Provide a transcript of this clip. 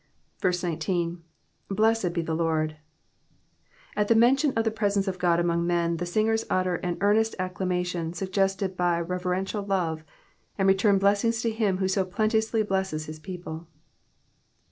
19. ^''Blessed he the Lord,^"^ At the mention of the presence of Qod among men the singers utter an earnest acclamation suggested by reverential love, and return blessings to him who so plentifully blesses his people.